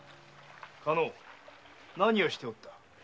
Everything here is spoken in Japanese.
加納何をしておった？